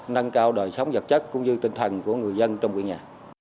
nâng cao đời sống vật chất cũng như tinh thần của người dân trong quê nhà